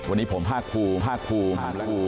วันนี้ผมภาคภูมิภาคภูมิภาคภูมิ